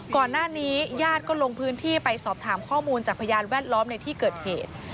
ญาติญาติก็ลงพื้นที่ไปสอบถามข้อมูลจากพยานแวดล้อมในที่เกิดเหตุ